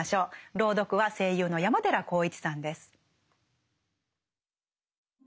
朗読は声優の山寺宏一さんです。